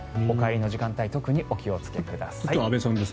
お帰りの時間帯特にお気をつけください。